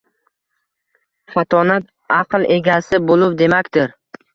Fatonat aql egasi bo’luv demakdir